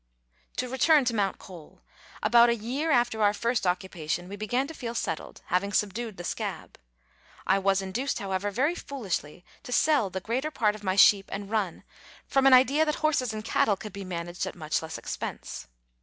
To return to Mount Cole. About a year after our first occu pation we began to feel settled, having subdued the scab. I was induced, however, very foolishly to sell the greater part of my sheep and run, from an idea that horses and cattle could be man aged at much less expense.